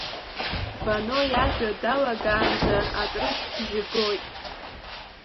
Вано иажәа далагаанӡа атрышә бжьы гоит.